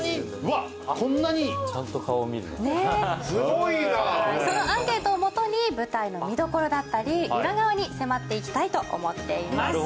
うわっこんなにちゃんと顔を見るのすごいなそのアンケートをもとに舞台の見どころだったり裏側に迫っていきたいと思っています